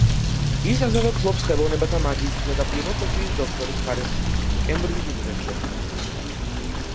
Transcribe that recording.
ის ასევე ფლობს ხელოვნებათა მაგისტრისა და ფილოსოფიის დოქტორის ხარისხს კემბრიჯის უნივერსიტეტიდან.